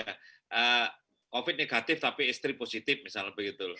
covid negatif tapi istri positif misalnya begitu